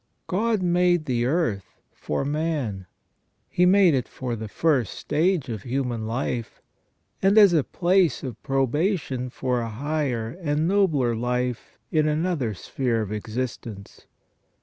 God made the earth for man. He made it for the first stage of human life, and as a place of probation for a higher and nobler life in another sphere of existence.